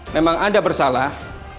memang anda bersalah